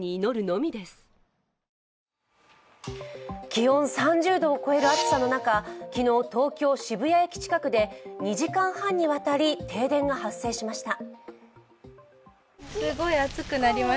気温３０度を超える暑さの中昨日東京・渋谷駅近くで２時間半にわたり停電が発生しました。